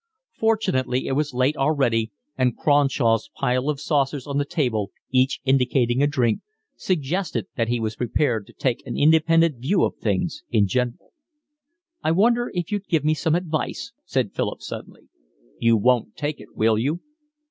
Fortunately it was late already and Cronshaw's pile of saucers on the table, each indicating a drink, suggested that he was prepared to take an independent view of things in general. "I wonder if you'd give me some advice," said Philip suddenly. "You won't take it, will you?"